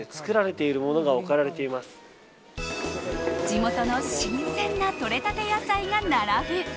地元の新鮮なとれたて野菜が並ぶ。